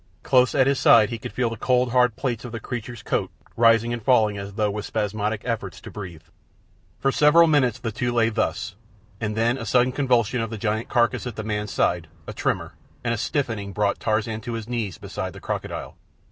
Close at his side he could feel the cold, hard plates of the creature's coat rising and falling as though with spasmodic efforts to breathe. For several minutes the two lay thus, and then a sudden convulsion of the giant carcass at the man's side, a tremor, and a stiffening brought Tarzan to his knees beside the crocodile.